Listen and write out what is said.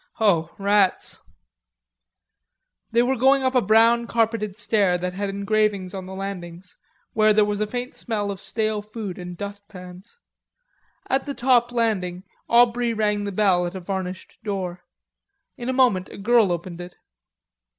"Oh, rats!" They were going up a brown carpeted stair that had engravings on the landings, where there was a faint smell of stale food and dustpans. At the top landing Aubrey rang the bell at a varnished door. In a moment a girl opened it.